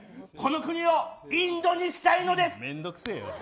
この国をインドにしたいのです。